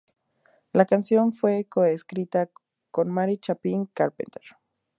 La canción fue co-escrito con Mary Chapin Carpenter.